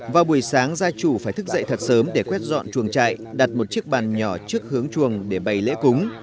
vào buổi sáng gia chủ phải thức dậy thật sớm để quét dọn chuồng trại đặt một chiếc bàn nhỏ trước hướng chuồng để bày lễ cúng